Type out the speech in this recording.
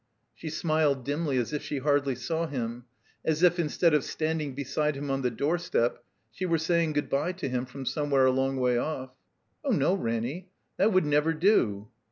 She smiled dimly, as if she hardly saw him, as if, instead of standing beside him on the doorstep, she were saying good by to him from somewhere a long way off. "Oh no, Ranny, that would never do."